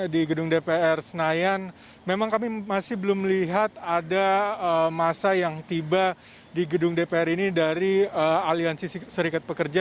di gedung dpr senayan memang kami masih belum melihat ada masa yang tiba di gedung dpr ini dari aliansi serikat pekerja